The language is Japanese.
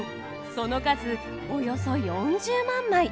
その数およそ４０万枚！